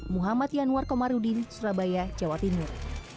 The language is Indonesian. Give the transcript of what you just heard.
muhammad yanwar komarudin surabaya jawa timur